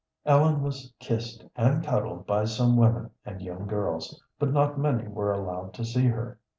Ellen was kissed and cuddled by some women and young girls, but not many were allowed to see her.